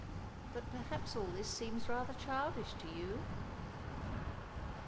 But perhaps all this seems rather childish to you?"